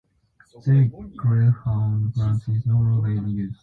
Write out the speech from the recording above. The Greyhound brand is no longer in use.